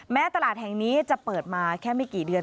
ตลาดแห่งนี้จะเปิดมาแค่ไม่กี่เดือน